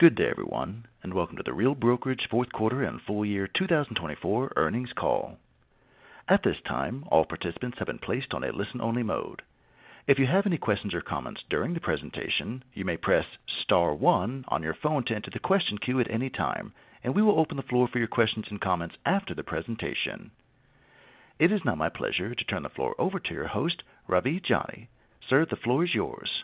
Good day, everyone, and welcome to The Real Brokerage fourth quarter and full year 2024 earnings call. At this time, all participants have been placed on a listen-only mode. If you have any questions or comments during the presentation, you may press star one on your phone to enter the question queue at any time, and we will open the floor for your questions and comments after the presentation. It is now my pleasure to turn the floor over to your host, Ravi Jani. Sir, the floor is yours.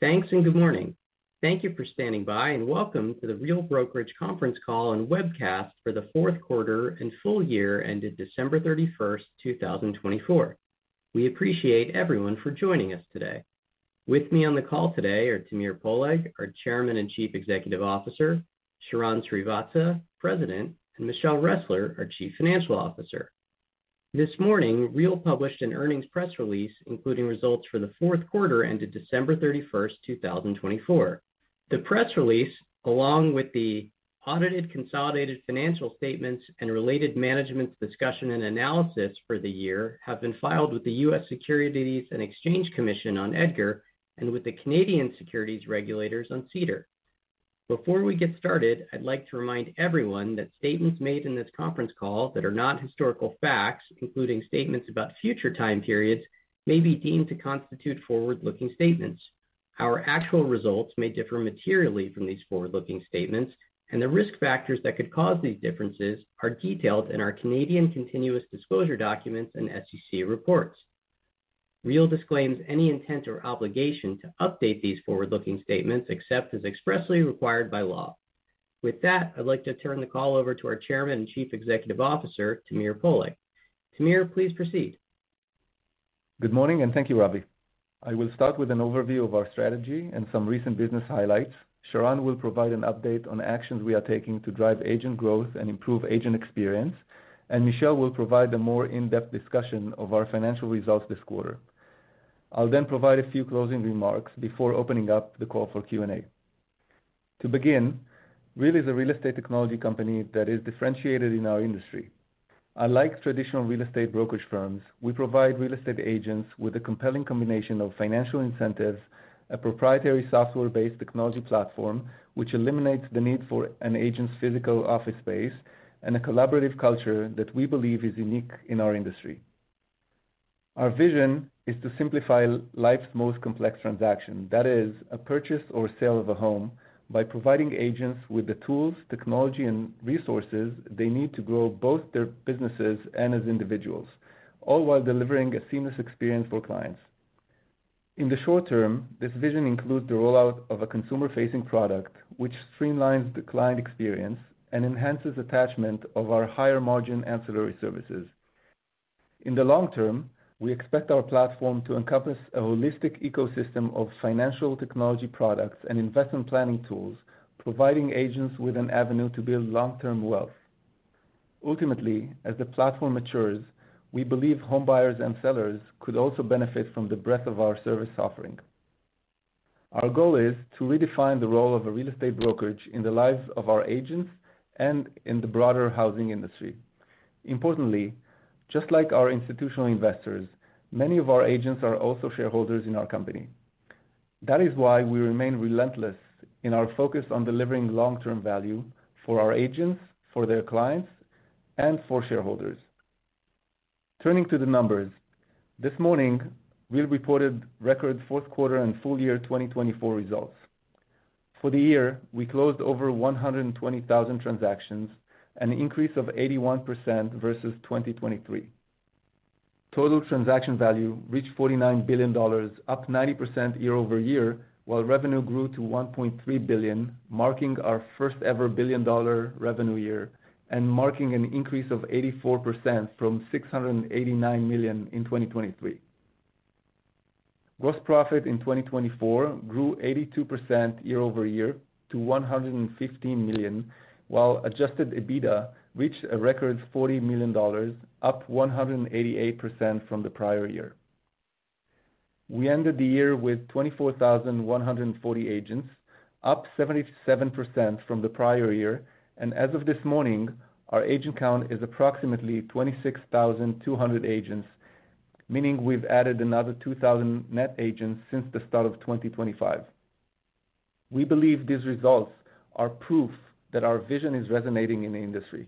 Thanks and good morning. Thank you for standing by and welcome to The Real Brokerage conference call and webcast for the fourth quarter and full year ended December 31, 2024. We appreciate everyone for joining us today. With me on the call today are Tamir Poleg, our Chairman and Chief Executive Officer; Sharran Srivatsaa, President; and Michelle Ressler, our Chief Financial Officer. This morning, Real published an earnings press release including results for the fourth quarter ended December 31, 2024. The press release, along with the audited consolidated financial statements and related management discussion and analysis for the year, have been filed with the U.S. Securities and Exchange Commission on EDGAR and with the Canadian securities regulators on CEDAR. Before we get started, I'd like to remind everyone that statements made in this conference call that are not historical facts, including statements about future time periods, may be deemed to constitute forward-looking statements. Our actual results may differ materially from these forward-looking statements, and the risk factors that could cause these differences are detailed in our Canadian continuous disclosure documents and SEC reports. Real disclaims any intent or obligation to update these forward-looking statements except as expressly required by law. With that, I'd like to turn the call over to our Chairman and Chief Executive Officer, Tamir Poleg. Tamir, please proceed. Good morning and thank you, Ravi. I will start with an overview of our strategy and some recent business highlights. Sharran will provide an update on actions we are taking to drive agent growth and improve agent experience, and Michelle will provide a more in-depth discussion of our financial results this quarter. I'll then provide a few closing remarks before opening up the call for Q&A. To begin, Real is a real estate technology company that is differentiated in our industry. Unlike traditional real estate brokerage firms, we provide real estate agents with a compelling combination of financial incentives, a proprietary software-based technology platform which eliminates the need for an agent's physical office space, and a collaborative culture that we believe is unique in our industry. Our vision is to simplify life's most complex transaction, that is, a purchase or sale of a home, by providing agents with the tools, technology, and resources they need to grow both their businesses and as individuals, all while delivering a seamless experience for clients. In the short-term, this vision includes the rollout of a consumer-facing product which streamlines the client experience and enhances attachment of our higher-margin ancillary services. In the long term, we expect our platform to encompass a holistic ecosystem of financial technology products and investment planning tools, providing agents with an avenue to build long-term wealth. Ultimately, as the platform matures, we believe home buyers and sellers could also benefit from the breadth of our service offering. Our goal is to redefine the role of a real estate brokerage in the lives of our agents and in the broader housing industry. Importantly, just like our institutional investors, many of our agents are also shareholders in our company. That is why we remain relentless in our focus on delivering long-term value for our agents, for their clients, and for shareholders. Turning to the numbers, this morning, Real reported record fourth quarter and full year 2024 results. For the year, we closed over 120,000 transactions, an increase of 81% versus 2023. Total transaction value reached $49 billion, up 90% year-over-year, while revenue grew to $1.3 billion, marking our first-ever billion-dollar revenue year and marking an increase of 84% from $689 million in 2023. Gross profit in 2024 grew 82% year-over-year to $115 million, while adjusted EBITDA reached a record $40 million, up 188% from the prior year. We ended the year with 24,140 agents, up 77% from the prior year, and as of this morning, our agent count is approximately 26,200 agents, meaning we've added another 2,000 net agents since the start of 2024. We believe these results are proof that our vision is resonating in the industry.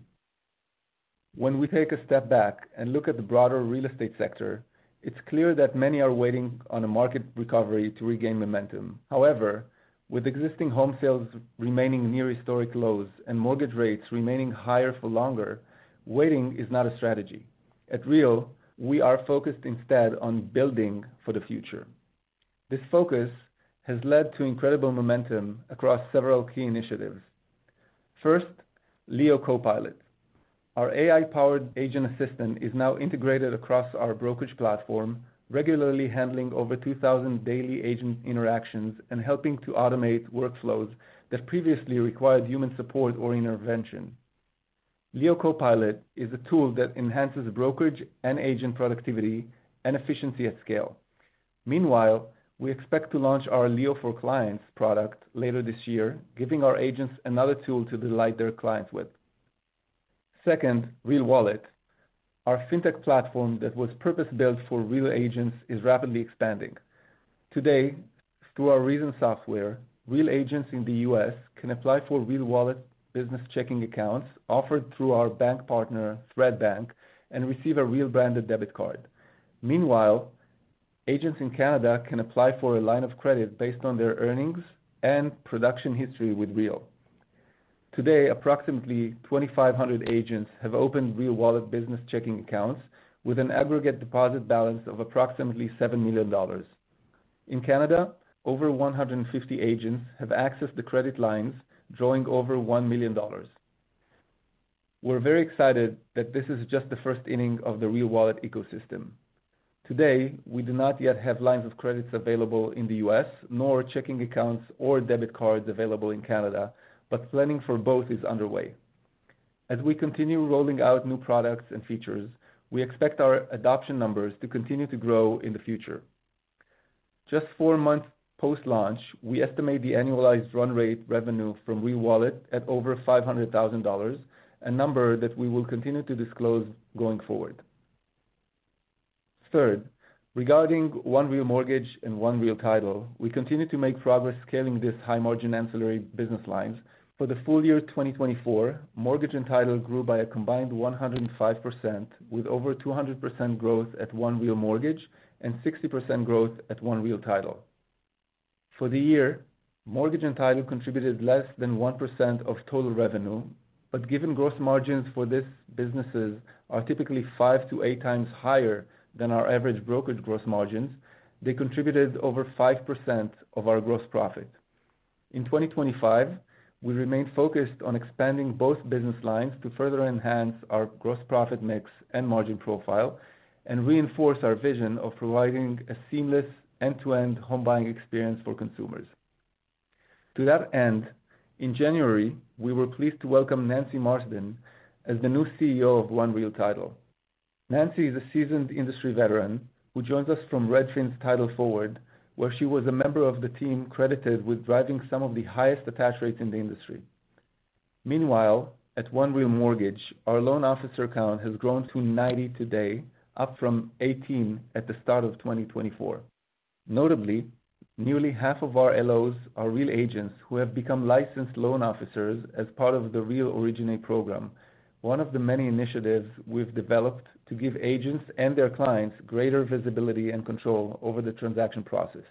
When we take a step back and look at the broader real estate sector, it's clear that many are waiting on a market recovery to regain momentum. However, with existing home sales remaining near historic lows and mortgage rates remaining higher for longer, waiting is not a strategy. At Real, we are focused instead on building for the future. This focus has led to incredible momentum across several key initiatives. First, Leo CoPilot. Our AI-powered agent assistant is now integrated across our brokerage platform, regularly handling over 2,000 daily agent interactions and helping to automate workflows that previously required human support or intervention. Leo CoPilot is a tool that enhances brokerage and agent productivity and efficiency at scale. Meanwhile, we expect to launch our Leo for Clients product later this year, giving our agents another tool to delight their clients with. Second, Real Wallet. Our fintech platform that was purpose-built for real agents is rapidly expanding. Today, through our Reason software, real agents in the U.S. can apply for Real Wallet business checking accounts offered through our bank partner, Thread Bank, and receive a Real-branded debit card. Meanwhile, agents in Canada can apply for a line of credit based on their earnings and production history with Real. Today, approximately 2,500 agents have opened Real Wallet business checking accounts with an aggregate deposit balance of approximately $7 million. In Canada, over 150 agents have accessed the credit lines, drawing over 1 million dollars. We're very excited that this is just the first inning of the Real Wallet ecosystem. Today, we do not yet have lines of credit available in the U.S., nor checking accounts or debit cards available in Canada, but planning for both is underway. As we continue rolling out new products and features, we expect our adoption numbers to continue to grow in the future. Just four months post-launch, we estimate the annualized run rate revenue from Real Wallet at over $500,000, a number that we will continue to disclose going forward. Third, regarding One Real Mortgage and One Real Title, we continue to make progress scaling these high-margin ancillary business lines. For the full year 2024, Mortgage and Title grew by a combined 105%, with over 200% growth at One Real Mortgage and 60% growth at One Real Title. For the year, Mortgage and Title contributed less than 1% of total revenue, but given gross margins for these businesses are typically five to eight times higher than our average brokerage gross margins, they contributed over 5% of our gross profit. In 2025, we remain focused on expanding both business lines to further enhance our gross profit mix and margin profile and reinforce our vision of providing a seamless end-to-end home buying experience for consumers. To that end, in January, we were pleased to welcome Nancy Marsden as the new CEO of One Real Title. Nancy is a seasoned industry veteran who joins us from Redfin's Title Forward, where she was a member of the team credited with driving some of the highest attach rates in the industry. Meanwhile, at One Real Mortgage, our loan officer count has grown to 90 today, up from 18 at the start of 2024. Notably, nearly half of our LOs are Real agents who have become licensed loan officers as part of the Real Originate Program, one of the many initiatives we've developed to give agents and their clients greater visibility and control over the transaction process.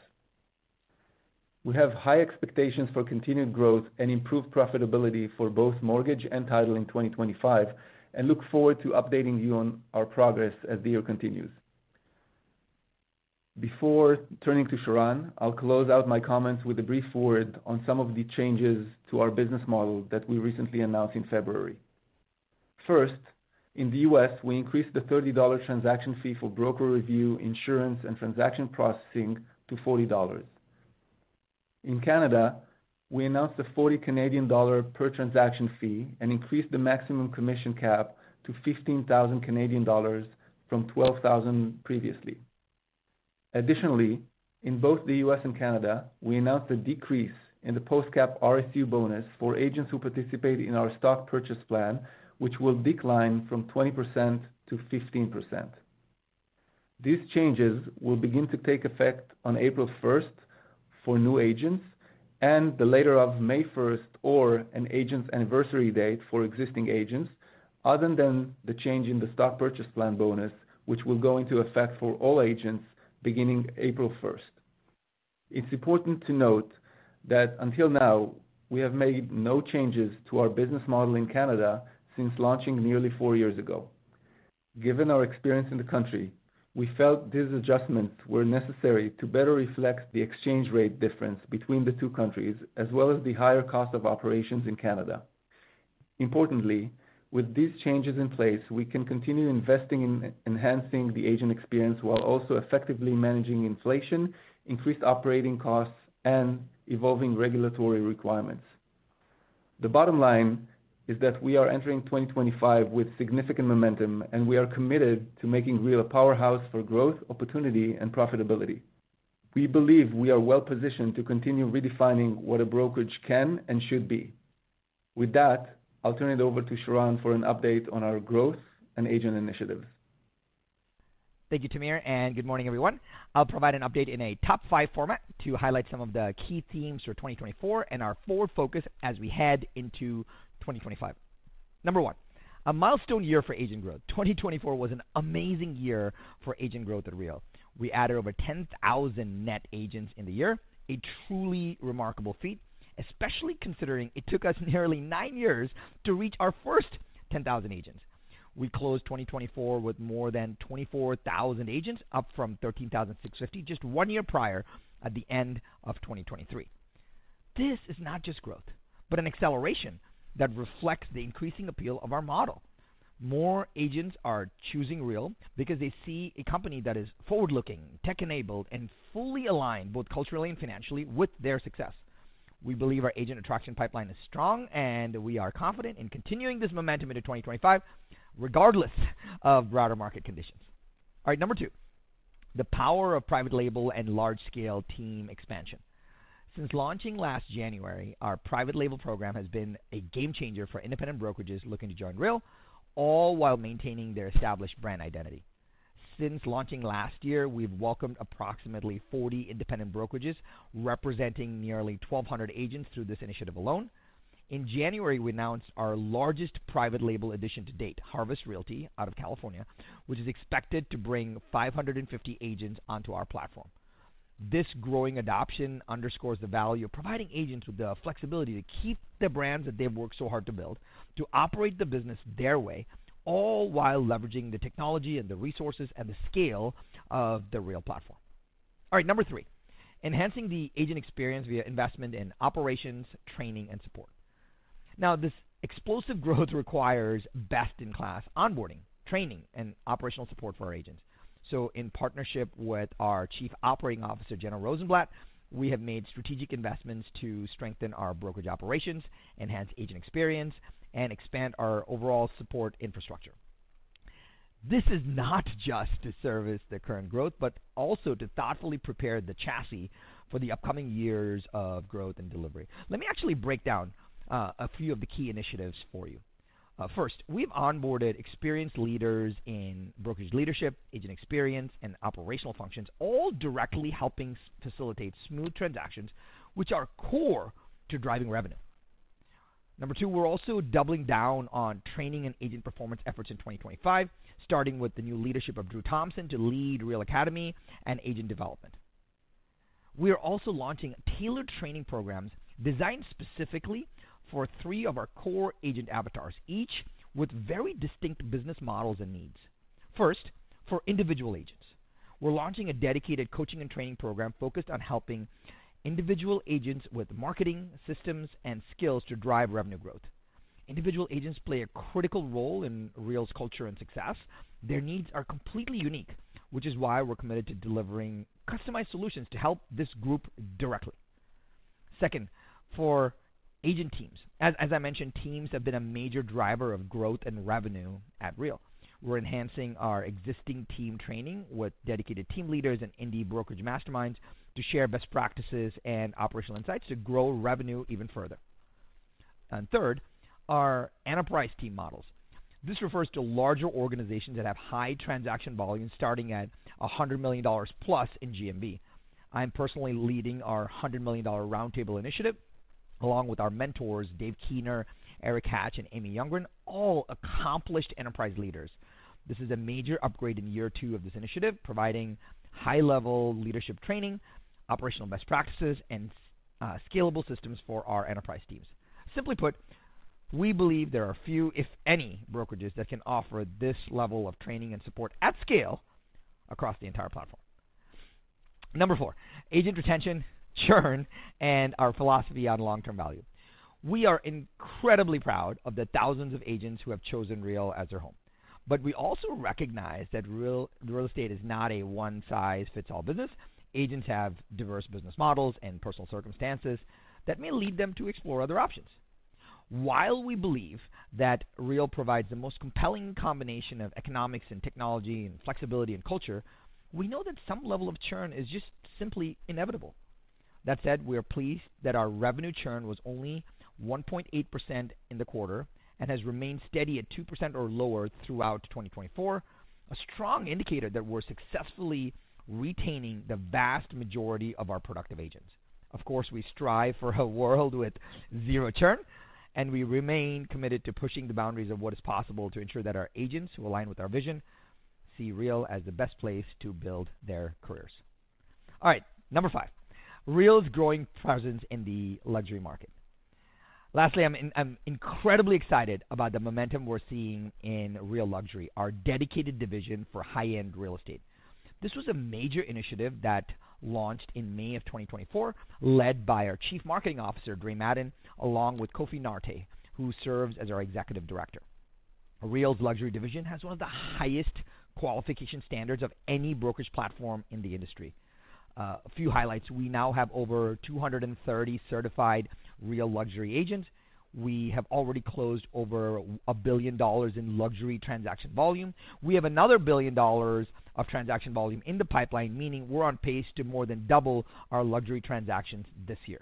We have high expectations for continued growth and improved profitability for both Mortgage and Title in 2025, and look forward to updating you on our progress as the year continues. Before turning to Sharran, I'll close out my comments with a brief foreword on some of the changes to our business model that we recently announced in February. First, in the U.S., we increased the $30 transaction fee for broker review, insurance, and transaction processing to $40. In Canada, we announced a 40 Canadian dollar per transaction fee and increased the maximum commission cap to 15,000 Canadian dollars from 12,000 previously. Additionally, in both the U.S. and Canada, we announced a decrease in the post-cap RSU bonus for agents who participate in our stock purchase plan, which will decline from 20%-15%. These changes will begin to take effect on April 1 for new agents and the later of May 1 or an agent's anniversary date for existing agents, other than the change in the stock purchase plan bonus, which will go into effect for all agents beginning April 1. It's important to note that until now, we have made no changes to our business model in Canada since launching nearly four years ago. Given our experience in the country, we felt these adjustments were necessary to better reflect the exchange rate difference between the two countries, as well as the higher cost of operations in Canada. Importantly, with these changes in place, we can continue investing in enhancing the agent experience while also effectively managing inflation, increased operating costs, and evolving regulatory requirements. The bottom line is that we are entering 2025 with significant momentum, and we are committed to making Real a powerhouse for growth, opportunity, and profitability. We believe we are well positioned to continue redefining what a brokerage can and should be. With that, I'll turn it over to Sharran for an update on our growth and agent initiatives. Thank you, Tamir, and good morning, everyone. I'll provide an update in a top five format to highlight some of the key themes for 2024 and our forward focus as we head into 2025. Number one, a milestone year for agent growth. 2024 was an amazing year for agent growth at Real. We added over 10,000 net agents in the year, a truly remarkable feat, especially considering it took us nearly nine years to reach our first 10,000 agents. We closed 2024 with more than 24,000 agents, up from 13,650 just one year prior at the end of 2023. This is not just growth, but an acceleration that reflects the increasing appeal of our model. More agents are choosing Real because they see a company that is forward-looking, tech-enabled, and fully aligned both culturally and financially with their success. We believe our agent attraction pipeline is strong, and we are confident in continuing this momentum into 2025, regardless of broader market conditions. All right, number two, the power of private label and large-scale team expansion. Since launching last January, our private label program has been a game changer for independent brokerages looking to join Real, all while maintaining their established brand identity. Since launching last year, we've welcomed approximately 40 independent brokerages, representing nearly 1,200 agents through this initiative alone. In January, we announced our largest private label addition to date, Harvest Realty out of California, which is expected to bring 550 agents onto our platform. This growing adoption underscores the value of providing agents with the flexibility to keep the brands that they've worked so hard to build, to operate the business their way, all while leveraging the technology and the resources and the scale of the Real platform. All right, number three, enhancing the agent experience via investment in operations, training, and support. Now, this explosive growth requires best-in-class onboarding, training, and operational support for our agents. In partnership with our Chief Operating Officer, Jenna Rozenblat, we have made strategic investments to strengthen our brokerage operations, enhance agent experience, and expand our overall support infrastructure. This is not just to service the current growth, but also to thoughtfully prepare the chassis for the upcoming years of growth and delivery. Let me actually break down a few of the key initiatives for you. First, we've onboarded experienced leaders in brokerage leadership, agent experience, and operational functions, all directly helping facilitate smooth transactions, which are core to driving revenue. Number two, we're also doubling down on training and agent performance efforts in 2025, starting with the new leadership of Drew Thompson to lead Real Academy and agent development. We are also launching tailored training programs designed specifically for three of our core agent avatars, each with very distinct business models and needs. First, for individual agents, we're launching a dedicated coaching and training program focused on helping individual agents with marketing systems and skills to drive revenue growth. Individual agents play a critical role in Real's culture and success. Their needs are completely unique, which is why we're committed to delivering customized solutions to help this group directly. Second, for agent teams, as I mentioned, teams have been a major driver of growth and revenue at Real. We are enhancing our existing team training with dedicated team leaders and indie brokerage masterminds to share best practices and operational insights to grow revenue even further. Third, our enterprise team models. This refers to larger organizations that have high transaction volumes, starting at $100 million plus in GMB. I am personally leading our $100 million roundtable initiative, along with our mentors, Dave Keener, Erik Hatch, and Amy Youngren, all accomplished enterprise leaders. This is a major upgrade in year two of this initiative, providing high-level leadership training, operational best practices, and scalable systems for our enterprise teams. Simply put, we believe there are few, if any, brokerages that can offer this level of training and support at scale across the entire platform. Number four, agent retention, churn, and our philosophy on long-term value. We are incredibly proud of the thousands of agents who have chosen Real as their home. We also recognize that real estate is not a one-size-fits-all business. Agents have diverse business models and personal circumstances that may lead them to explore other options. While we believe that Real provides the most compelling combination of economics and technology and flexibility and culture, we know that some level of churn is just simply inevitable. That said, we are pleased that our revenue churn was only 1.8% in the quarter and has remained steady at two percent or lower throughout 2024, a strong indicator that we're successfully retaining the vast majority of our productive agents. Of course, we strive for a world with zero churn, and we remain committed to pushing the boundaries of what is possible to ensure that our agents who align with our vision see Real as the best place to build their careers. All right, number five, Real's growing presence in the luxury market. Lastly, I'm incredibly excited about the momentum we're seeing in Real Luxury, our dedicated division for high-end real estate. This was a major initiative that launched in May of 2024, led by our Chief Marketing Officer, Dre Madden, along with Kofi Narte, who serves as our Executive Director. Real's luxury division has one of the highest qualification standards of any brokerage platform in the industry. A few highlights: we now have over 230 certified Real Luxury agents. We have already closed over $1 billion in luxury transaction volume. We have another $1 billion of transaction volume in the pipeline, meaning we're on pace to more than double our luxury transactions this year.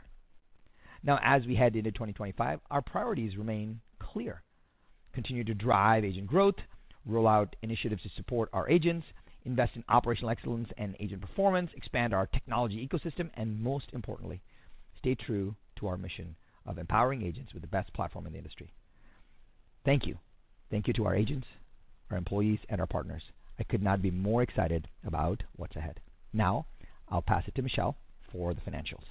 Now, as we head into 2025, our priorities remain clear: continue to drive agent growth, roll out initiatives to support our agents, invest in operational excellence and agent performance, expand our technology ecosystem, and most importantly, stay true to our mission of empowering agents with the best platform in the industry. Thank you. Thank you to our agents, our employees, and our partners. I could not be more excited about what's ahead. Now, I'll pass it to Michelle for the financials.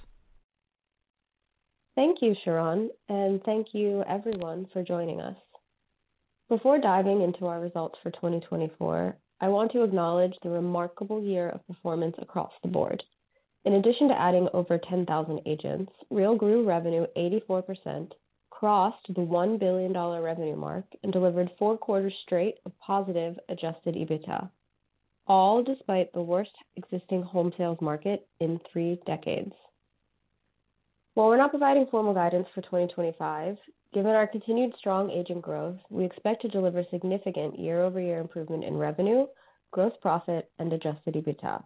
Thank you, Sharran, and thank you, everyone, for joining us. Before diving into our results for 2024, I want to acknowledge the remarkable year of performance across the board. In addition to adding over 10,000 agents, Real grew revenue 84%, crossed the $1 billion revenue mark, and delivered four quarters straight of positive adjusted EBITDA, all despite the worst existing home sales market in three decades. While we're not providing formal guidance for 2025, given our continued strong agent growth, we expect to deliver significant year-over-year improvement in revenue, gross profit, and adjusted EBITDA.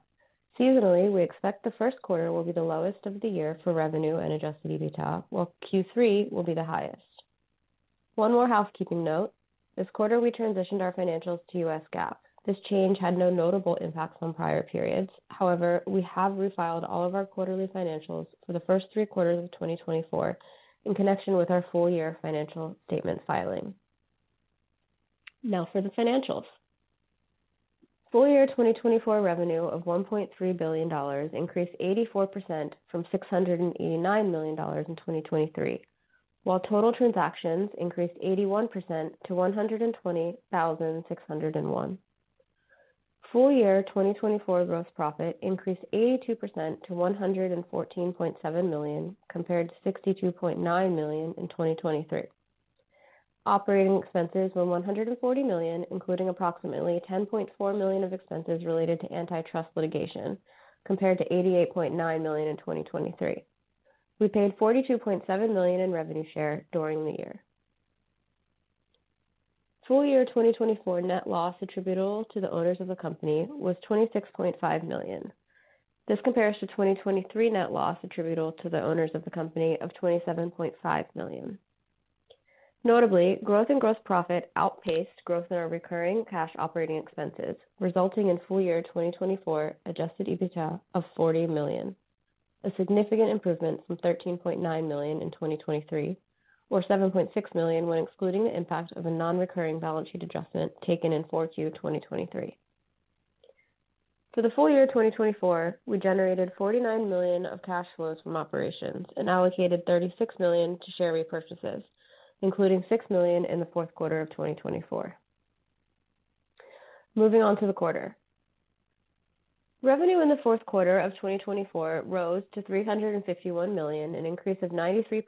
Seasonally, we expect the first quarter will be the lowest of the year for revenue and adjusted EBITDA, while Q3 will be the highest. One more housekeeping note: this quarter, we transitioned our financials to US GAAP. This change had no notable impacts on prior periods. However, we have refiled all of our quarterly financials for the first three quarters of 2024 in connection with our full-year financial statement filing. Now for the financials. Full-year 2024 revenue of $1.3 billion increased 84% from $689 million in 2023, while total transactions increased 81% to $120,601. Full-year 2024 gross profit increased 82% to $114.7 million, compared to $62.9 million in 2023. Operating expenses were $140 million, including approximately $10.4 million of expenses related to antitrust litigation, compared to $88.9 million in 2023. We paid $42.7 million in revenue share during the year. Full-year 2024 net loss attributable to the owners of the company was $26.5 million. This compares to 2023 net loss attributable to the owners of the company of $27.5 million. Notably, growth in gross profit outpaced growth in our recurring cash operating expenses, resulting in full-year 2024 adjusted EBITDA of $40 million, a significant improvement from $13.9 million in 2023, or $7.6 million when excluding the impact of a non-recurring balance sheet adjustment taken in Q4 2023. For the full-year 2024, we generated $49 million of cash flows from operations and allocated $36 million to share repurchases, including $6 million in the fourth quarter of 2024. Moving on to the quarter. Revenue in the fourth quarter of 2024 rose to $351 million, an increase of 93%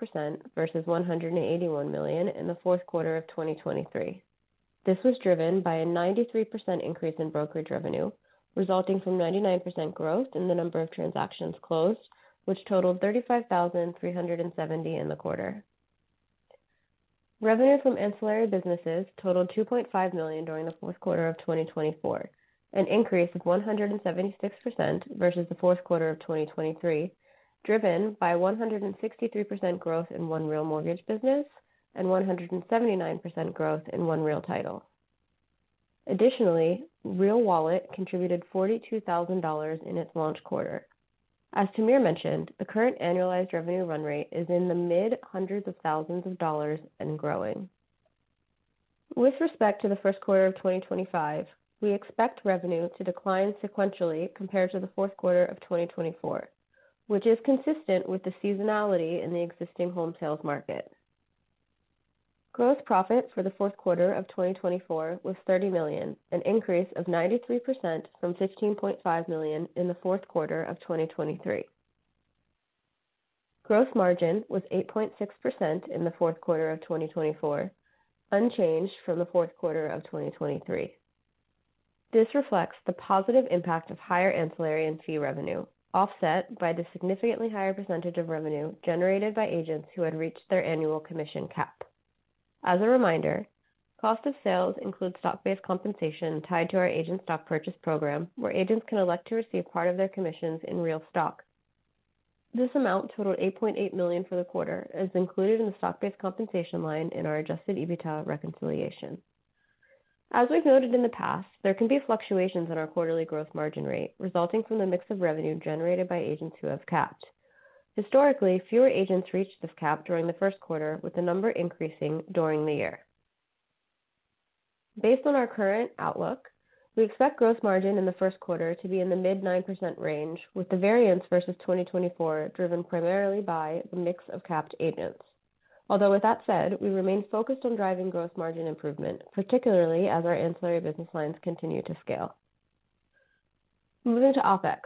versus $181 million in the fourth quarter of 2023. This was driven by a 93% increase in brokerage revenue, resulting from 99% growth in the number of transactions closed, which totaled 35,370 in the quarter. Revenue from ancillary businesses totaled $2.5 million during the fourth quarter of 2024, an increase of 176% versus the fourth quarter of 2023, driven by 163% growth in One Real Mortgage business and 179% growth in One Real Title. Additionally, Real Wallet contributed $42,000 in its launch quarter. As Tamir mentioned, the current annualized revenue run rate is in the mid-hundreds of thousands of dollars and growing. With respect to the first quarter of 2025, we expect revenue to decline sequentially compared to the fourth quarter of 2024, which is consistent with the seasonality in the existing home sales market. Gross profit for the fourth quarter of 2024 was $30 million, an increase of 93% from $15.5 million in the fourth quarter of 2023. Gross margin was 8.6% in the fourth quarter of 2024, unchanged from the fourth quarter of 2023. This reflects the positive impact of higher ancillary and fee revenue, offset by the significantly higher percent of revenue generated by agents who had reached their annual commission cap. As a reminder, cost of sales includes stock-based compensation tied to our agent stock purchase program, where agents can elect to receive part of their commissions in Real stock. This amount totaled $8.8 million for the quarter and is included in the stock-based compensation line in our adjusted EBITDA reconciliation. As we've noted in the past, there can be fluctuations in our quarterly gross margin rate, resulting from the mix of revenue generated by agents who have capped. Historically, fewer agents reached this cap during the first quarter, with the number increasing during the year. Based on our current outlook, we expect gross margin in the first quarter to be in the mid-nine percent range, with the variance versus 2024 driven primarily by the mix of capped agents. Although, with that said, we remain focused on driving gross margin improvement, particularly as our ancillary business lines continue to scale. Moving to OpEx.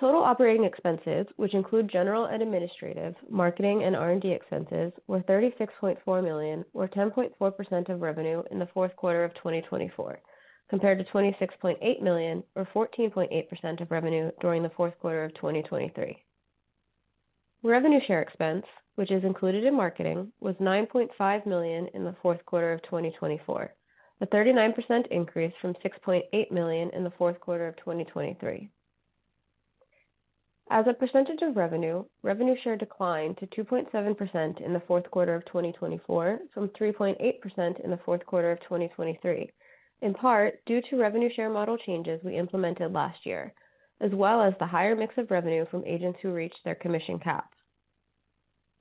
Total operating expenses, which include general and administrative, marketing, and R&D expenses, were $36.4 million, or 10.4% of revenue in the fourth quarter of 2024, compared to $26.8 million, or 14.8% of revenue during the fourth quarter of 2023. Revenue share expense, which is included in marketing, was $9.5 million in the fourth quarter of 2024, a 39% increase from $6.8 million in the fourth quarter of 2023. As a percentage of revenue, revenue share declined to 2.7% in the fourth quarter of 2024 from 3.8% in the fourth quarter of 2023, in part due to revenue share model changes we implemented last year, as well as the higher mix of revenue from agents who reached their commission cap.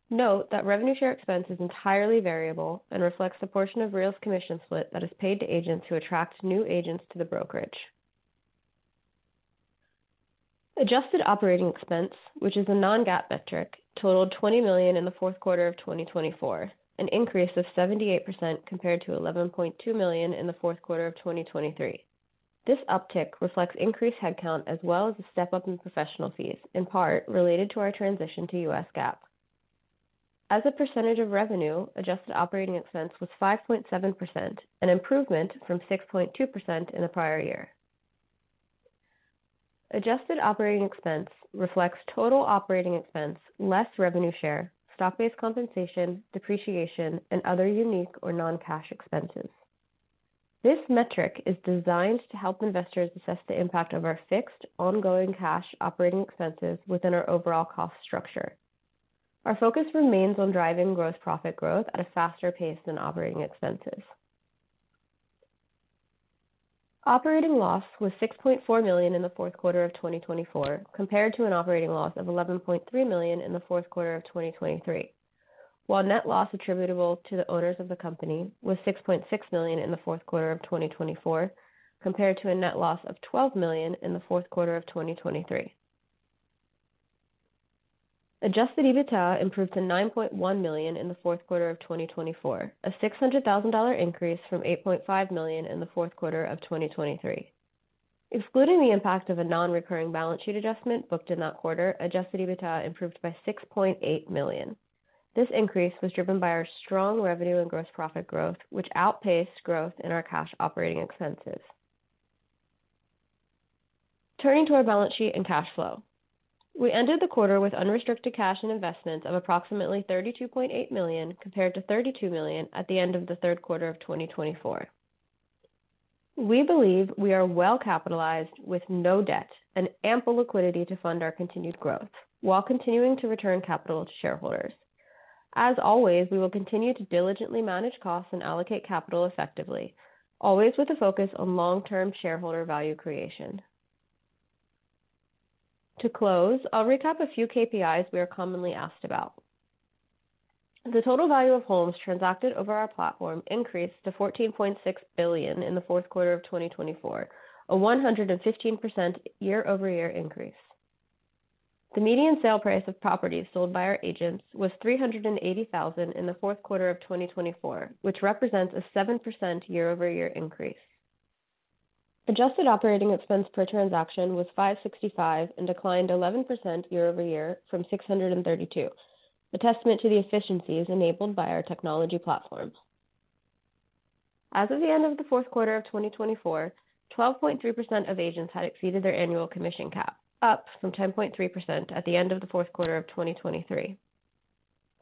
Note that revenue share expense is entirely variable and reflects the portion of Real's commission split that is paid to agents who attract new agents to the brokerage. Adjusted operating expense, which is a non-GAAP metric, totaled $20 million in the fourth quarter of 2024, an increase of 78% compared to $11.2 million in the fourth quarter of 2023. This uptick reflects increased headcount as well as a step up in professional fees, in part related to our transition to US GAAP. As a percentage of revenue, adjusted operating expense was 5.7%, an improvement from 6.2% in the prior year. Adjusted operating expense reflects total operating expense less revenue share, stock-based compensation, depreciation, and other unique or non-cash expenses. This metric is designed to help investors assess the impact of our fixed ongoing cash operating expenses within our overall cost structure. Our focus remains on driving gross profit growth at a faster pace than operating expenses. Operating loss was $6.4 million in the fourth quarter of 2024, compared to an operating loss of $11.3 million in the fourth quarter of 2023, while net loss attributable to the owners of the company was $6.6 million in the fourth quarter of 2024, compared to a net loss of $12 million in the fourth quarter of 2023. Adjusted EBITDA improved to $9.1 million in the fourth quarter of 2024, a $600,000 increase from $8.5 million in the fourth quarter of 2023. Excluding the impact of a non-recurring balance sheet adjustment booked in that quarter, adjusted EBITDA improved by $6.8 million. This increase was driven by our strong revenue and gross profit growth, which outpaced growth in our cash operating expenses. Turning to our balance sheet and cash flow. We ended the quarter with unrestricted cash and investments of approximately $32.8 million, compared to $32 million at the end of the third quarter of 2024. We believe we are well capitalized with no debt and ample liquidity to fund our continued growth, while continuing to return capital to shareholders. As always, we will continue to diligently manage costs and allocate capital effectively, always with a focus on long-term shareholder value creation. To close, I'll recap a few KPIs we are commonly asked about. The total value of homes transacted over our platform increased to $14.6 billion in the fourth quarter of 2024, a 115% year-over-year increase. The median sale price of properties sold by our agents was $380,000 in the fourth quarter of 2024, which represents a seven percent year-over-year increase. Adjusted operating expense per transaction was $565 and declined 11% year-over-year from $632, a testament to the efficiencies enabled by our technology platform. As of the end of the fourth quarter of 2024, 12.3% of agents had exceeded their annual commission cap, up from 10.3% at the end of the fourth quarter of 2023.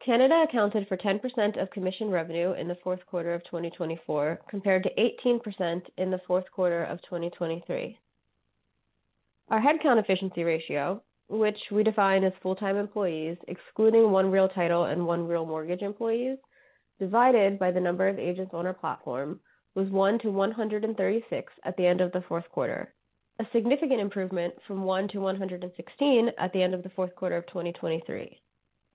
Canada accounted for 10% of commission revenue in the fourth quarter of 2024, compared to 18% in the fourth quarter of 2023. Our headcount efficiency ratio, which we define as full-time employees excluding One Real Title and One Real Mortgage employees, divided by the number of agents on our platform, was $1 to $136 at the end of the fourth quarter, a significant improvement from $1 to $116 at the end of the fourth quarter of 2023.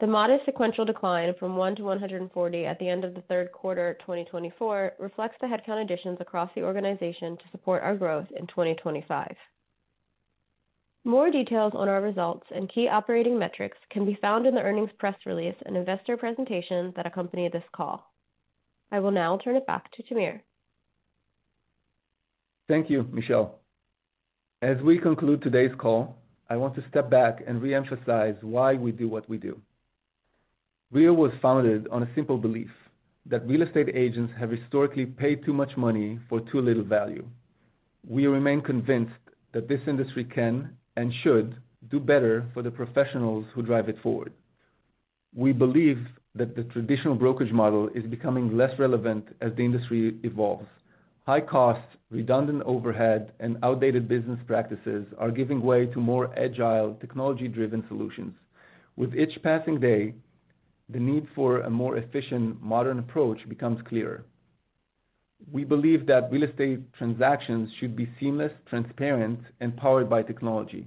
The modest sequential decline from $1 to $140 at the end of the third quarter of 2024 reflects the headcount additions across the organization to support our growth in 2025. More details on our results and key operating metrics can be found in the earnings press release and investor presentation that accompany this call. I will now turn it back to Tamir. Thank you, Michelle. As we conclude today's call, I want to step back and re-emphasize why we do what we do. Real was founded on a simple belief that real estate agents have historically paid too much money for too little value. We remain convinced that this industry can and should do better for the professionals who drive it forward. We believe that the traditional brokerage model is becoming less relevant as the industry evolves. High costs, redundant overhead, and outdated business practices are giving way to more agile, technology-driven solutions. With each passing day, the need for a more efficient, modern approach becomes clearer. We believe that real estate transactions should be seamless, transparent, and powered by technology.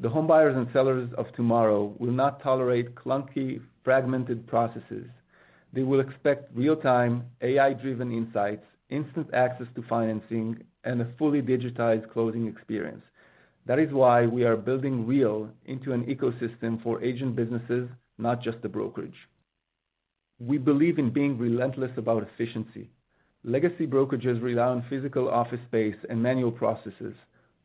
The homebuyers and sellers of tomorrow will not tolerate clunky, fragmented processes. They will expect real-time, AI-driven insights, instant access to financing, and a fully digitized closing experience. That is why we are building Real into an ecosystem for agent businesses, not just the brokerage. We believe in being relentless about efficiency. Legacy brokerages rely on physical office space and manual processes.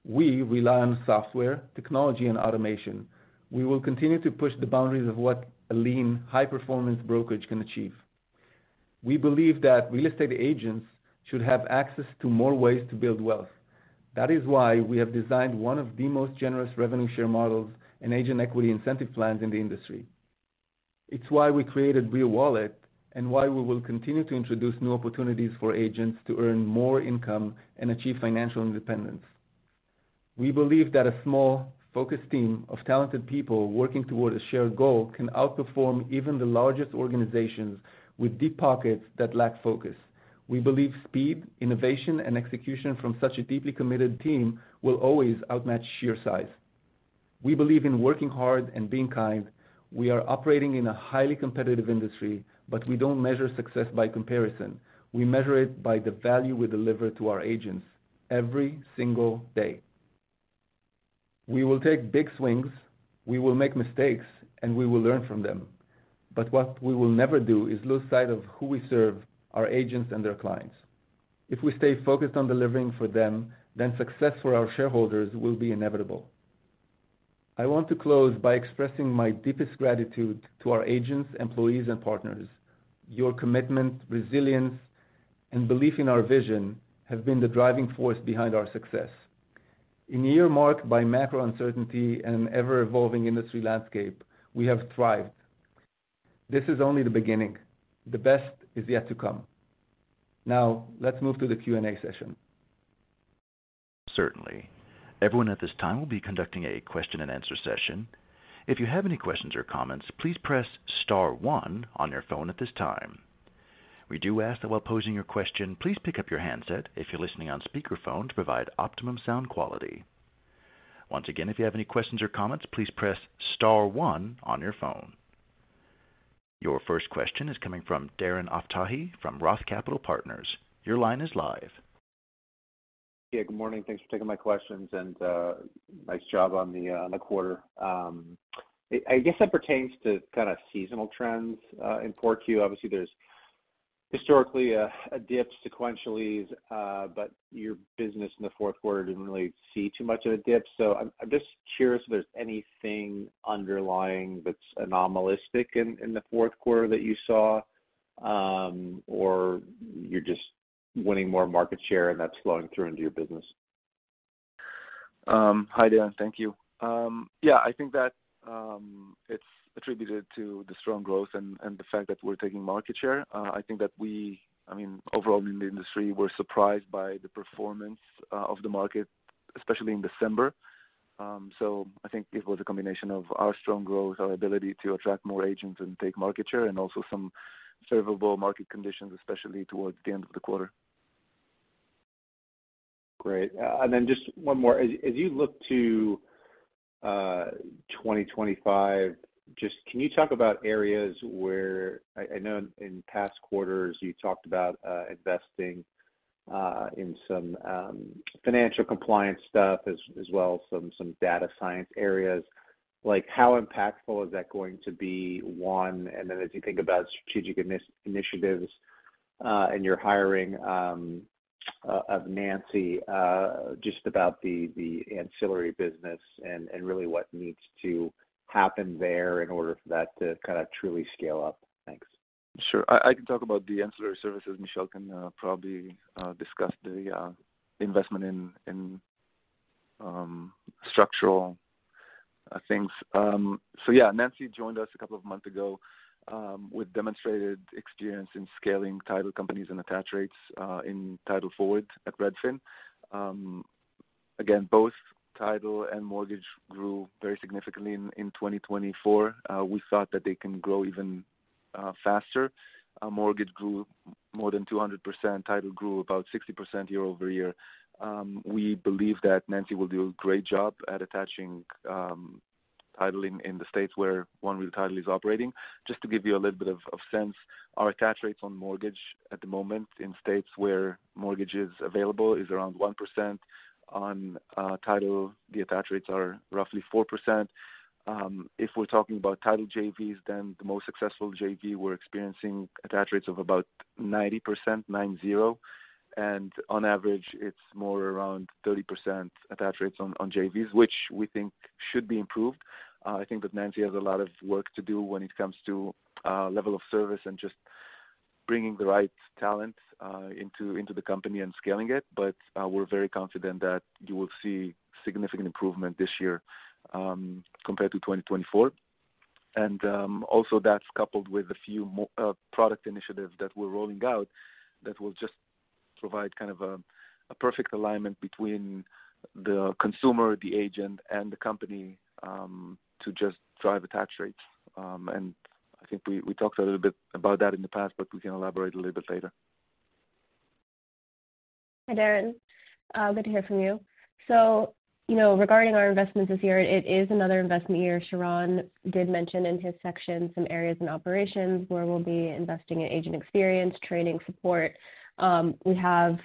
We rely on software, technology, and automation. We will continue to push the boundaries of what a lean, high-performance brokerage can achieve. We believe that real estate agents should have access to more ways to build wealth. That is why we have designed one of the most generous revenue share models and agent equity incentive plans in the industry. It's why we created Real Wallet and why we will continue to introduce new opportunities for agents to earn more income and achieve financial independence. We believe that a small, focused team of talented people working toward a shared goal can outperform even the largest organizations with deep pockets that lack focus. We believe speed, innovation, and execution from such a deeply committed team will always outmatch sheer size. We believe in working hard and being kind. We are operating in a highly competitive industry, but we do not measure success by comparison. We measure it by the value we deliver to our agents every single day. We will take big swings, we will make mistakes, and we will learn from them. What we will never do is lose sight of who we serve, our agents and their clients. If we stay focused on delivering for them, then success for our shareholders will be inevitable. I want to close by expressing my deepest gratitude to our agents, employees, and partners. Your commitment, resilience, and belief in our vision have been the driving force behind our success. In a year marked by macro uncertainty and an ever-evolving industry landscape, we have thrived. This is only the beginning. The best is yet to come. Now, let's move to the Q&A session. Certainly. Everyone at this time will be conducting a question-and-answer session. If you have any questions or comments, please press star one on your phone at this time. We do ask that while posing your question, please pick up your handset if you're listening on speakerphone to provide optimum sound quality. Once again, if you have any questions or comments, please press star one on your phone. Your first question is coming from Darren Aftahi from Roth Capital Partners. Your line is live. Yeah, good morning. Thanks for taking my questions and nice job on the quarter. I guess that pertains to kind of seasonal trends in Q4. Obviously, there's historically a dip sequentially, but your business in the fourth quarter didn't really see too much of a dip. I'm just curious if there's anything underlying that's anomalistic in the fourth quarter that you saw or you're just winning more market share and that's flowing through into your business. Hi, Darren. Thank you. Yeah, I think that it's attributed to the strong growth and the fact that we're taking market share. I think that we, I mean, overall in the industry, we're surprised by the performance of the market, especially in December. I think it was a combination of our strong growth, our ability to attract more agents and take market share, and also some favorable market conditions, especially towards the end of the quarter. Great. Just one more. As you look to 2025, can you talk about areas where I know in past quarters you talked about investing in some financial compliance stuff as well as some data science areas. Like how impactful is that going to be? One, and then as you think about strategic initiatives and your hiring of Nancy, just about the ancillary business and really what needs to happen there in order for that to kind of truly scale up. Thanks. Sure. I can talk about the ancillary services. Michelle can probably discuss the investment in structural things. Yeah, Nancy joined us a couple of months ago with demonstrated experience in scaling title companies and attach rates in Title Forward at Redfin. Again, both title and mortgage grew very significantly in 2024. We thought that they can grow even faster. Mortgage grew more than 200%. Title grew about 60% year-over-year. We believe that Nancy will do a great job at attaching title in the states where One Real Title is operating. Just to give you a little bit of sense, our attach rates on mortgage at the moment in states where mortgage is available is around one percent. On title, the attach rates are roughly four percent. If we're talking about title JVs, the most successful JV we're experiencing attach rates of about 90%, 9-0. On average, it's more around 30% attach rates on JVs, which we think should be improved. I think that Nancy has a lot of work to do when it comes to level of service and just bringing the right talent into the company and scaling it. We're very confident that you will see significant improvement this year compared to 2024. That is coupled with a few product initiatives that we're rolling out that will just provide kind of a perfect alignment between the consumer, the agent, and the company to just drive attach rates. I think we talked a little bit about that in the past, but we can elaborate a little bit later. Hi, Darren. Good to hear from you. Regarding our investments this year, it is another investment year. Sharran did mention in his section some areas in operations where we'll be investing in agent experience, training, support. We have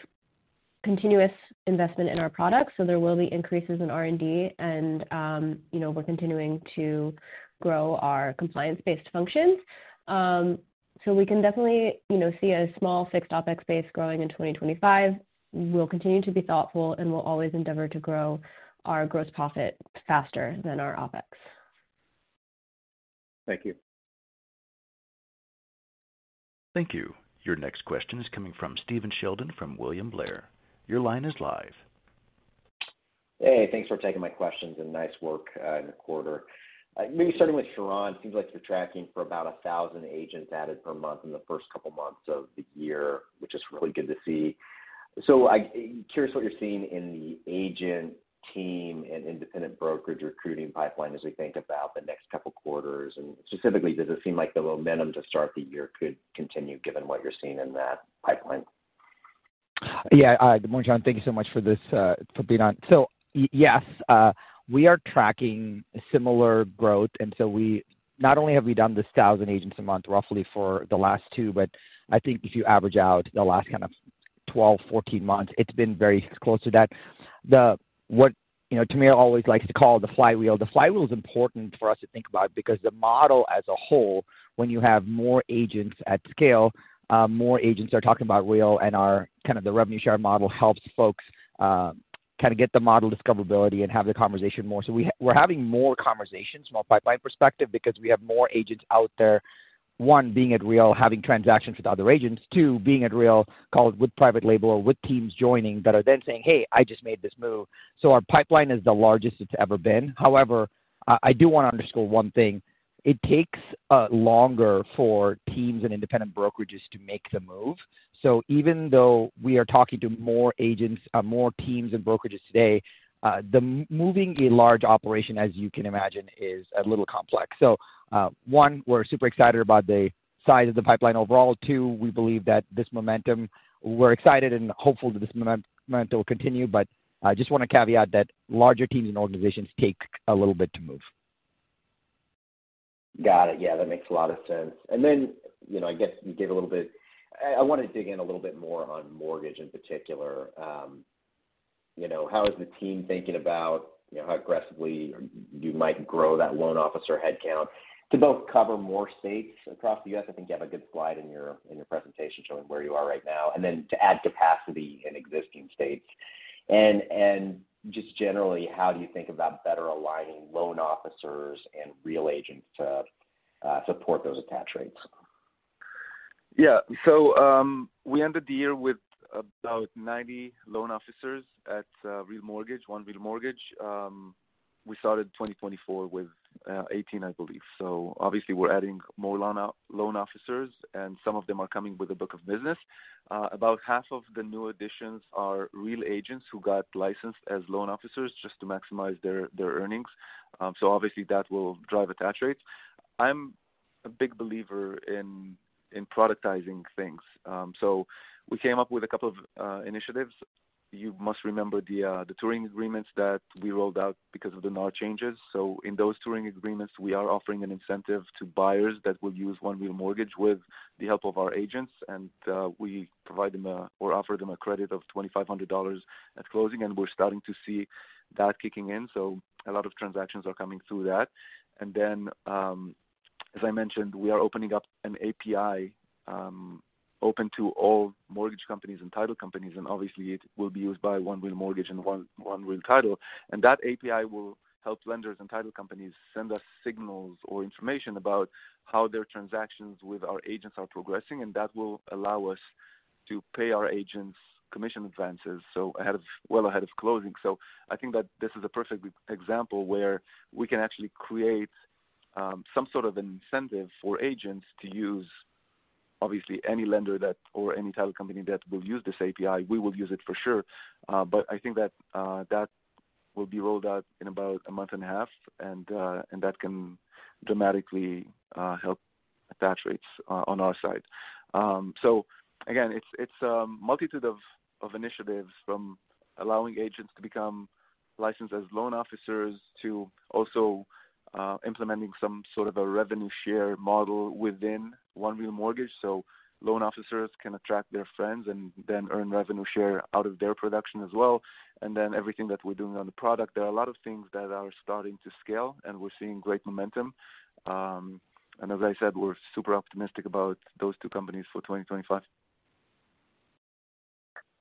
continuous investment in our products, so there will be increases in R&D, and we're continuing to grow our compliance-based functions. We can definitely see a small fixed OpEx base growing in 2025. We'll continue to be thoughtful and will always endeavor to grow our gross profit faster than our OpEx. Thank you. Thank you. Your next question is coming from Stephn Sheldon from William Blair. Your line is live. Hey, thanks for taking my questions and nice work in the quarter. Maybe starting with Sharran, it seems like you're tracking for about 1,000 agents added per month in the first couple of months of the year, which is really good to see. Curious what you're seeing in the agent team and independent brokerage recruiting pipeline as we think about the next couple of quarters. Specifically, does it seem like the momentum to start the year could continue given what you're seeing in that pipeline? Yeah. Good morning, Sheldon. Thank you so much for being on. Yes, we are tracking similar growth. Not only have we done this 1,000 agents a month roughly for the last two, but I think if you average out the last kind of 12, 14 months, it's been very close to that. What Tamir always likes to call the flywheel, the flywheel is important for us to think about because the model as a whole, when you have more agents at scale, more agents are talking about Real and our kind of the revenue share model helps folks kind of get the model discoverability and have the conversation more. We are having more conversations, more pipeline perspective because we have more agents out there. One, being at Real, having transactions with other agents. Two, being at Real called with private label or with teams joining that are then saying, "Hey, I just made this move." Our pipeline is the largest it has ever been. However, I do want to underscore one thing. It takes longer for teams and independent brokerages to make the move. Even though we are talking to more agents, more teams and brokerages today, moving a large operation, as you can imagine, is a little complex. One, we are super excited about the size of the pipeline overall. Two, we believe that this momentum, we are excited and hopeful that this momentum will continue, but I just want to caveat that larger teams and organizations take a little bit to move. Got it. Yeah, that makes a lot of sense. I guess you gave a little bit. I want to dig in a little bit more on mortgage in particular. How is the team thinking about how aggressively you might grow that loan officer headcount to both cover more states across the U.S.? I think you have a good slide in your presentation showing where you are right now, and then to add capacity in existing states. Just generally, how do you think about better aligning loan officers and Real agents to support those attach rates? Yeah. We ended the year with about 90 loan officers at One Real Mortgage. We started 2024 with 18, I believe. Obviously, we're adding more loan officers, and some of them are coming with a book of business. About half of the new additions are Real agents who got licensed as loan officers just to maximize their earnings. Obviously, that will drive attach rates. I'm a big believer in productizing things. We came up with a couple of initiatives. You must remember the touring agreements that we rolled out because of the NAR changes. In those touring agreements, we are offering an incentive to buyers that will use One Real Mortgage with the help of our agents. We provide them or offer them a credit of $2,500 at closing, and we're starting to see that kicking in. A lot of transactions are coming through that. As I mentioned, we are opening up an API open to all mortgage companies and title companies. Obviously, it will be used by One Real Mortgage and One Real Title. That API will help lenders and title companies send us signals or information about how their transactions with our agents are progressing. That will allow us to pay our agents commission advances, so well ahead of closing. I think that this is a perfect example where we can actually create some sort of an incentive for agents to use, obviously, any lender or any title company that will use this API. We will use it for sure. I think that that will be rolled out in about a month and a half, and that can dramatically help attach rates on our side. It is a multitude of initiatives from allowing agents to become licensed as loan officers to also implementing some sort of a revenue share model within One Real Mortgage. Loan officers can attract their friends and then earn revenue share out of their production as well. Everything that we are doing on the product, there are a lot of things that are starting to scale, and we are seeing great momentum. As I said, we are super optimistic about those two companies for 2025.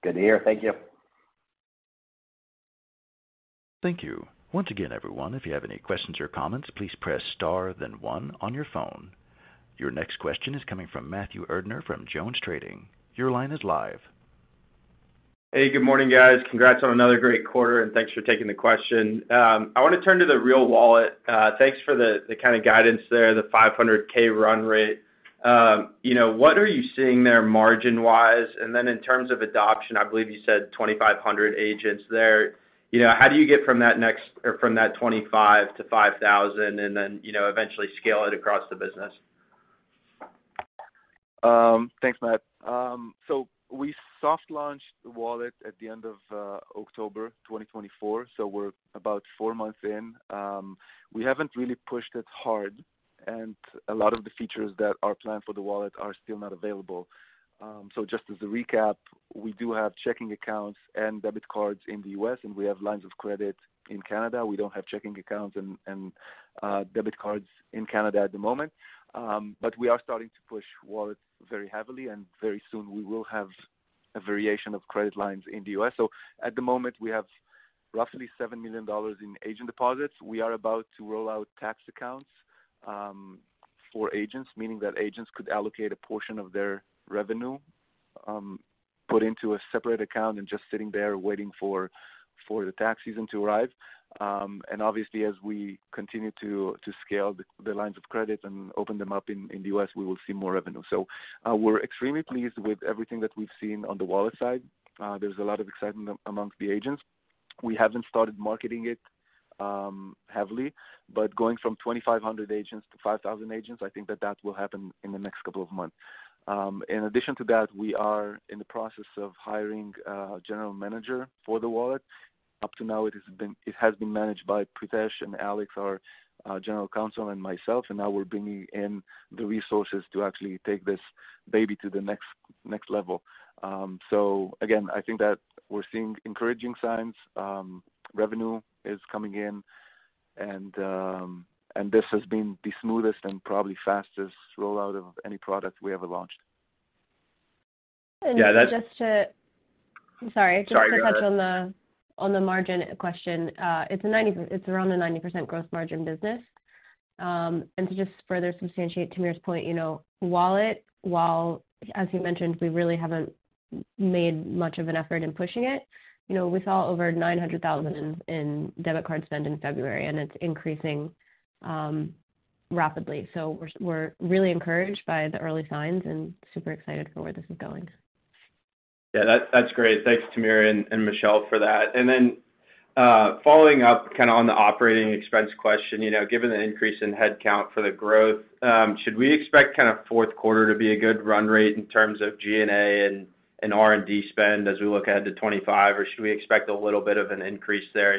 Good to hear. Thank you. Thank you. Once again, everyone, if you have any questions or comments, please press star, then one on your phone. Your next question is coming from Matthew Erdner from Jones Trading. Your line is live. Hey, good morning, guys. Congrats on another great quarter, and thanks for taking the question. I want to turn to the Real Wallet. Thanks for the kind of guidance there, the $500,000 run rate. What are you seeing there margin-wise? In terms of adoption, I believe you said 2,500 agents there. How do you get from that next or from that 2,500 to 5,000 and then eventually scale it across the business? Thanks, Matt. We soft launched the wallet at the end of October 2024. We are about four months in. We have not really pushed it hard, and a lot of the features that are planned for the wallet are still not available. Just as a recap, we do have checking accounts and debit cards in the U.S., and we have lines of credit in Canada. We do not have checking accounts and debit cards in Canada at the moment. We are starting to push wallets very heavily, and very soon we will have a variation of credit lines in the U.S. At the moment, we have roughly $7 million in agent deposits. We are about to roll out tax accounts for agents, meaning that agents could allocate a portion of their revenue, put it into a separate account, and just have it sitting there waiting for the tax season to arrive. Obviously, as we continue to scale the lines of credit and open them up in the U.S., we will see more revenue. We are extremely pleased with everything that we have seen on the wallet side. There is a lot of excitement amongst the agents. We have not started marketing it heavily, but going from 2,500 agents to 5,000 agents, I think that will happen in the next couple of months. In addition to that, we are in the process of hiring a general manager for the wallet. Up to now, it has been managed by Pritesh and Alix, our General Counsel, and myself. Now we are bringing in the resources to actually take this baby to the next level. I think that we are seeing encouraging signs. Revenue is coming in, and this has been the smoothest and probably fastest rollout of any product we ever launched. Yeah, that's. Just to. Sorry. Sorry. Just to touch on the margin question. It's around a 90% gross margin business. To just further substantiate Tamir's point, Wallet, as he mentioned, we really haven't made much of an effort in pushing it. We saw over $900,000 in debit card spend in February, and it's increasing rapidly. We are really encouraged by the early signs and super excited for where this is going. Yeah, that's great. Thanks, Tamir and Michelle, for that. Following up kind of on the operating expense question, given the increase in headcount for the growth, should we expect kind of fourth quarter to be a good run rate in terms of G&A and R&D spend as we look ahead to 2025, or should we expect a little bit of an increase there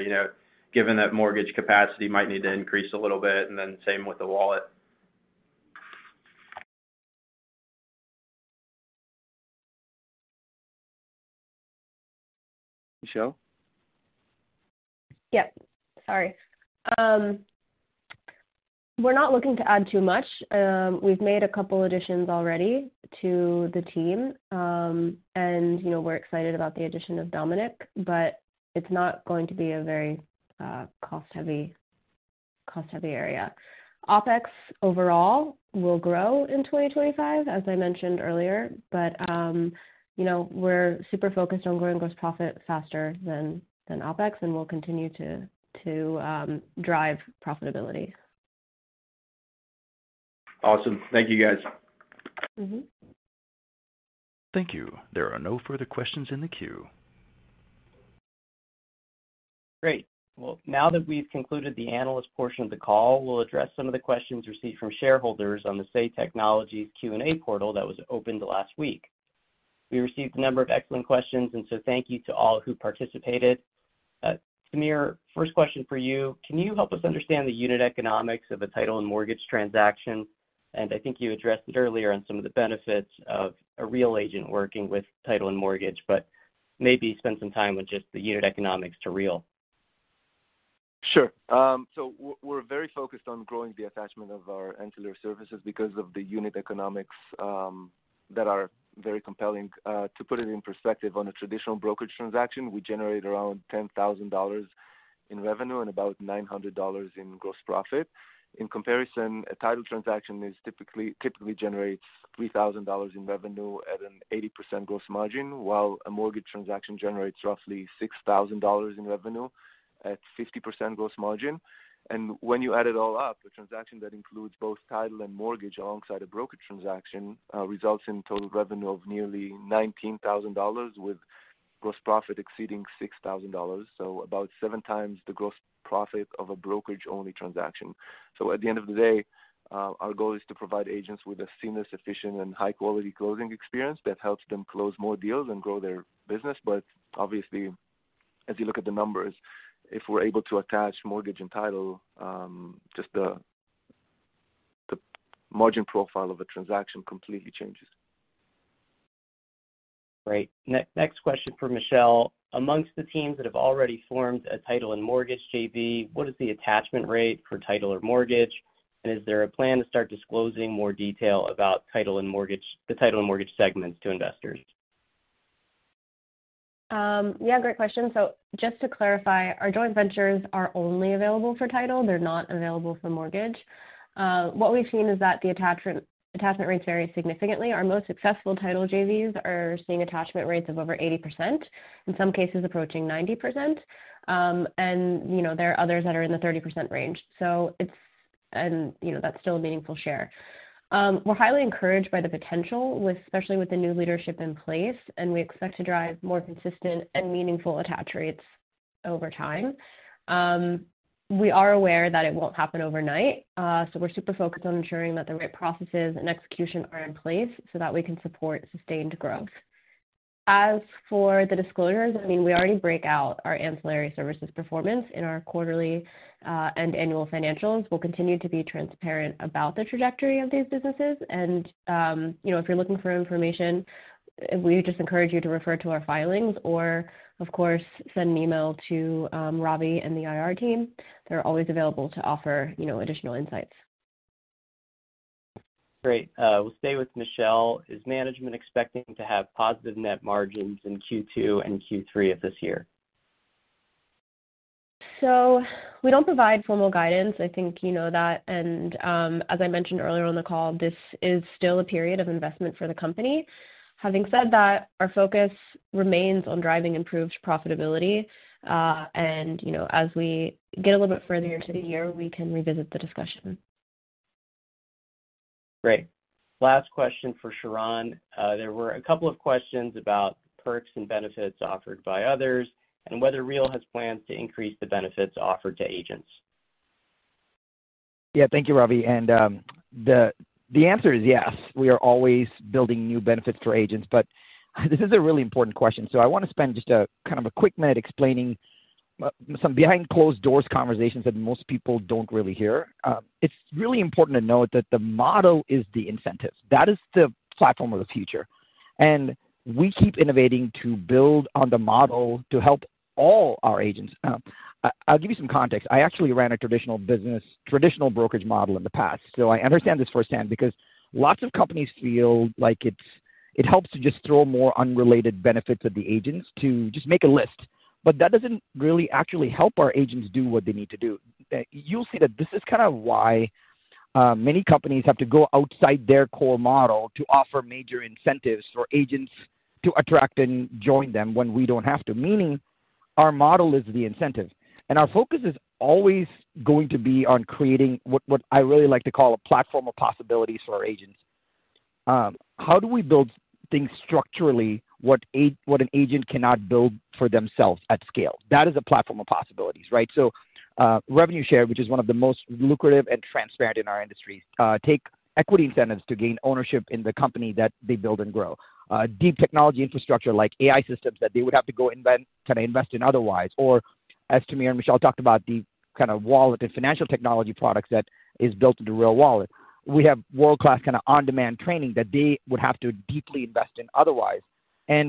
given that mortgage capacity might need to increase a little bit, and then same with the wallet? Michelle? Yep. Sorry. We're not looking to add too much. We've made a couple of additions already to the team, and we're excited about the addition of Dominic, but it's not going to be a very cost-heavy area. OpEx overall will grow in 2025, as I mentioned earlier, but we're super focused on growing gross profit faster than OpEx, and we'll continue to drive profitability. Awesome. Thank you, guys. Thank you. There are no further questions in the queue. Great. Now that we've concluded the analyst portion of the call, we'll address some of the questions received from shareholders on the Say Technologies Q&A portal that was opened last week. We received a number of excellent questions, and thank you to all who participated. Tamir, first question for you. Can you help us understand the unit economics of a title and mortgage transaction? I think you addressed it earlier on some of the benefits of a Real agent working with title and mortgage, but maybe spend some time with just the unit economics to Real. Sure. We are very focused on growing the attachment of our ancillary services because the unit economics are very compelling. To put it in perspective, on a traditional brokerage transaction, we generate around $10,000 in revenue and about $900 in gross profit. In comparison, a title transaction typically generates $3,000 in revenue at an 80% gross margin, while a mortgage transaction generates roughly $6,000 in revenue at 50% gross margin. When you add it all up, the transaction that includes both title and mortgage alongside a brokerage transaction results in a total revenue of nearly $19,000 with gross profit exceeding $6,000, so about seven times the gross profit of a brokerage-only transaction. At the end of the day, our goal is to provide agents with a seamless, efficient, and high-quality closing experience that helps them close more deals and grow their business. Obviously, as you look at the numbers, if we're able to attach mortgage and title, just the margin profile of a transaction completely changes. Great. Next question for Michelle. Amongst the teams that have already formed a title and mortgage JV, what is the attachment rate for title or mortgage, and is there a plan to start disclosing more detail about the title and mortgage segments to investors? Yeah, great question. Just to clarify, our joint ventures are only available for title. They're not available for mortgage. What we've seen is that the attachment rates vary significantly. Our most successful title JVs are seeing attachment rates of over 80%, in some cases approaching 90%, and there are others that are in the 30% range. That's still a meaningful share. We're highly encouraged by the potential, especially with the new leadership in place, and we expect to drive more consistent and meaningful attach rates over time. We are aware that it won't happen overnight, so we're super focused on ensuring that the right processes and execution are in place so that we can support sustained growth. As for the disclosures, I mean, we already break out our ancillary services performance in our quarterly and annual financials. We'll continue to be transparent about the trajectory of these businesses. If you're looking for information, we just encourage you to refer to our filings or, of course, send an email to Ravi and the IR team. They're always available to offer additional insights. Great. We'll stay with Michelle. Is management expecting to have positive net margins in Q2 and Q3 of this year? We do not provide formal guidance. I think you know that. As I mentioned earlier on the call, this is still a period of investment for the company. Having said that, our focus remains on driving improved profitability. As we get a little bit further into the year, we can revisit the discussion. Great. Last question for Sharran. There were a couple of questions about perks and benefits offered by others and whether Real has plans to increase the benefits offered to agents. Yeah, thank you, Ravi. The answer is yes. We are always building new benefits for agents, but this is a really important question. I want to spend just a kind of a quick minute explaining some behind closed doors conversations that most people do not really hear. It is really important to note that the model is the incentives. That is the platform of the future. We keep innovating to build on the model to help all our agents. I will give you some context. I actually ran a traditional brokerage model in the past. I understand this firsthand because lots of companies feel like it helps to just throw more unrelated benefits at the agents to just make a list. That does not really actually help our agents do what they need to do. You'll see that this is kind of why many companies have to go outside their core model to offer major incentives for agents to attract and join them when we don't have to, meaning our model is the incentive. Our focus is always going to be on creating what I really like to call a platform of possibilities for our agents. How do we build things structurally what an agent cannot build for themselves at scale? That is a platform of possibilities, right? Revenue share, which is one of the most lucrative and transparent in our industry, takes equity incentives to gain ownership in the company that they build and grow. Deep technology infrastructure like AI systems that they would have to go kind of invest in otherwise, or as Tamir and Michelle talked about, the kind of wallet and financial technology products that are built into Real Wallet. We have world-class kind of on-demand training that they would have to deeply invest in otherwise.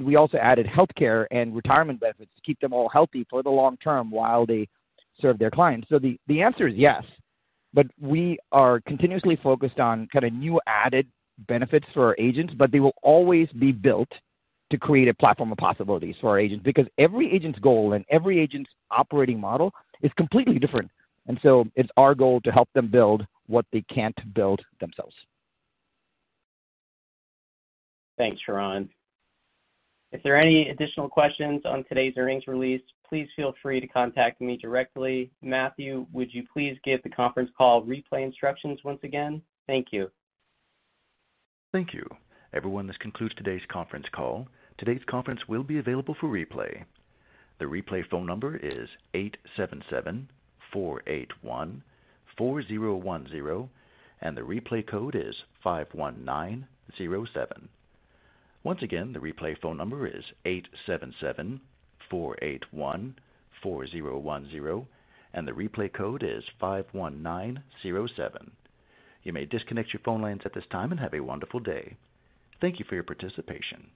We also added healthcare and retirement benefits to keep them all healthy for the long term while they serve their clients. The answer is yes, but we are continuously focused on kind of new added benefits for our agents, but they will always be built to create a platform of possibilities for our agents because every agent's goal and every agent's operating model is completely different. It is our goal to help them build what they can't build themselves. Thanks, Sharran. If there are any additional questions on today's earnings release, please feel free to contact me directly. Matthew, would you please give the conference call replay instructions once again? Thank you. Thank you. Everyone, this concludes today's conference call. Today's conference will be available for replay. The replay phone number is 877-481-4010, and the replay code is 51907. Once again, the replay phone number is 877-481-4010, and the replay code is 51907. You may disconnect your phone lines at this time and have a wonderful day. Thank you for your participation.